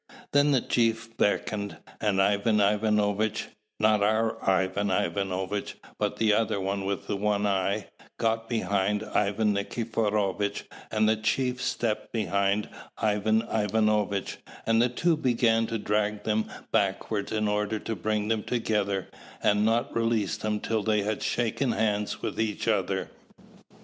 Then the chief beckoned; and Ivan Ivanovitch not our Ivan Ivanovitch, but the other with the one eye got behind Ivan Nikiforovitch, and the chief stepped behind Ivan Ivanovitch, and the two began to drag them backwards, in order to bring them together, and not release them till they had shaken hands with each other.